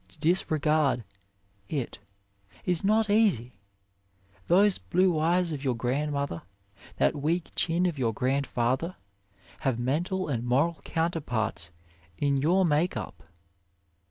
To disregard it is not easy. Those blue eyes of your grandmother, that weak chin of your grandfather, have mental and moral counterparts in your make up.